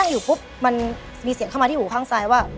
อยู่ปุ๊บมันมีเสียงเข้ามาที่หูข้างซ้ายว่า